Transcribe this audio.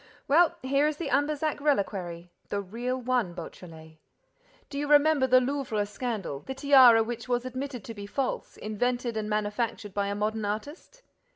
Well, here is the Ambazac reliquary, the real one, Beautrelet! Do you remember the Louvre scandal, the tiara which was admitted to be false, invented and manufactured by a modern artist?